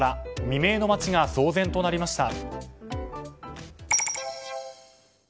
未明の街が騒然となりました。